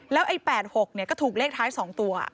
แล้วไอ้๘๖ก็ถูกเลขท้าย๒ตัว